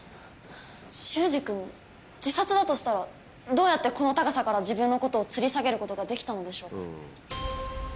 秀司君自殺だとしたらどうやってこの高さから自分のことをつり下げることができたのでしょうか？